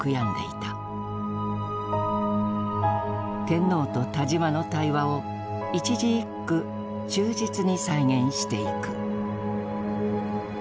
天皇と田島の対話を一字一句忠実に再現していく。